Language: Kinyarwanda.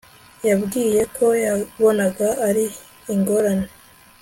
yambwiye ko yabonaga ari ingorane